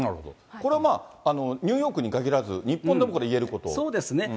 これはニューヨークに限らず、そうですね。